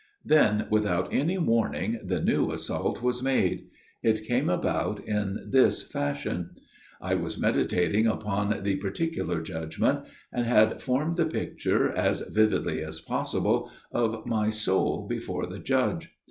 Then, without any warning the new assault was made. It came about in this fashion. " I was meditating upon the Particular Judg ment ; and had formed the picture, as vividly as possible, of my soul before the Judge.